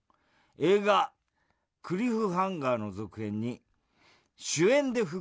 映画『クリフハンガー』の続編に主演で復帰するという」。